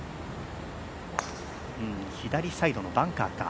左サイドのバンカーか。